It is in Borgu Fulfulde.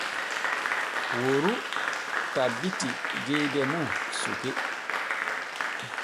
Woru tabbiti jeyde mum suke.